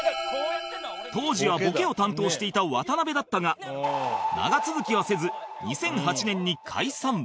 当時はボケを担当していた渡辺だったが長続きはせず２００８年に解散